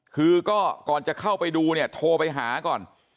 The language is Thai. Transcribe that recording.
คือก็ก่อนจะเข้าไปดูเนี่ยโทรไปหาก่อน